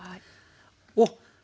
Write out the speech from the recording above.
おっ！